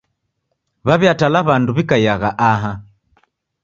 W'aw'iatala w'andu w'ikaiagha aha.